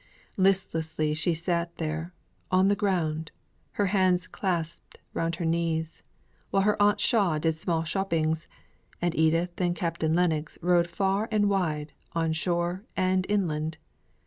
Listlessly she sat there, on the ground, her hands clasped round her knees, while her aunt Shaw did small shoppings, and Edith and Captain Lennox rode far and wide on shore and inland.